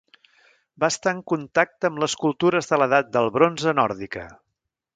Va estar en contacte amb les cultures de l'edat del bronze nòrdica.